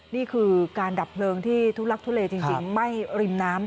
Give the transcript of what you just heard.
นี่คือการดับเพลิงที่ทุลักทุเลจริงไหม้ริมน้ำ